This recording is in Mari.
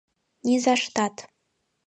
Низаштат!